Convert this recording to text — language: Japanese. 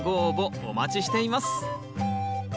お待ちしています。